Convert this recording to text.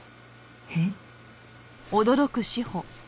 えっ？